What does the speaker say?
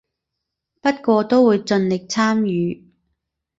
不過都會盡力參與